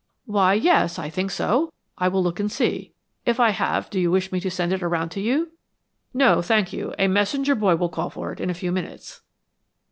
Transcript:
"Why, yes, I think so. I will look and see. If I have do you wish me to send it around to you?" "No, thank you. A messenger boy will call for it in a few minutes."